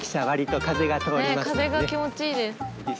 ええ風が気持ちいいです。